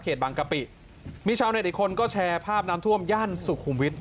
บางกะปิมีชาวเน็ตอีกคนก็แชร์ภาพน้ำท่วมย่านสุขุมวิทย